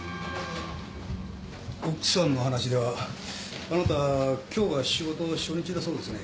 奥さんの話ではあなた今日が仕事の初日だそうですね。